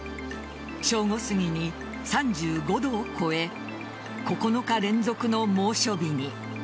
正午すぎに３５度を超え９日連続の猛暑日に。